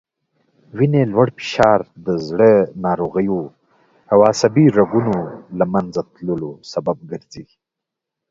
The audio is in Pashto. وینې لوړ فشار د زړه ناروغیو او عصبي رګونو له منځه تللو سبب ګرځي